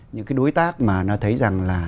những cái đối tác mà nó thấy rằng là